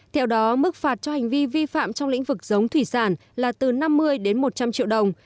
theo đó mức phạt cho hành vi vi phạm trong lĩnh vực giống thủy sản là từ năm mươi đến một trăm linh triệu đồng